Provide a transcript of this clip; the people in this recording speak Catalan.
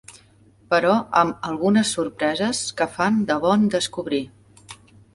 però amb algunes sorpreses que fan de bon descobrir